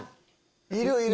いるいる。